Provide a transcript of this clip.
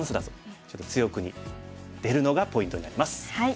ちょっと強く出るのがポイントになります。